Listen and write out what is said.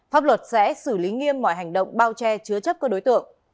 pháp luật sẽ xử lý nghiêm mọi hành động bao che chứa chấp các đối tượng